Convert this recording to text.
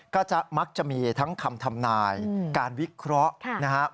ก็จะมักจะมีทั้งคำทำนายการวิเคราะห์นะครับ